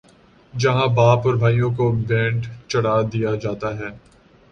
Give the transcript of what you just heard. جہاں باپ اور بھائیوں کو بھینٹ چڑھا دیا جاتا ہے۔